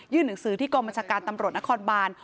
ยื่นหนังสือที่กรมชาการตำรวจนครบาน